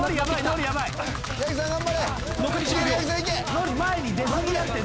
ノリ前に出過ぎだって。